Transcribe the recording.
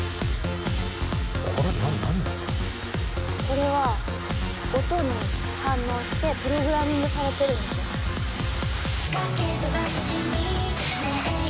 これは音に反応してプログラミングされてるんですよ。